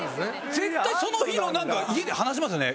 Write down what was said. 絶対その日のなんか家で話しますよね？